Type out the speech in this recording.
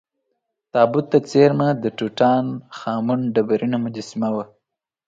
تابوت ته څېرمه د ټوټا ن خا مون ډبرینه مجسمه وه.